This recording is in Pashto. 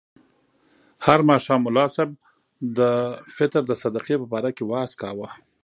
هر ماښام ملا صاحب د فطر د صدقې په باره کې وعظ کاوه.